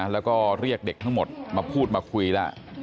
แล้วก็เรียกเด็กทั้งหมดมาพูดมาคุยแล้ว